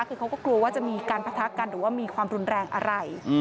คือเขาก็กลัวว่าจะมีการปะทะกันหรือว่ามีความรุนแรงอะไร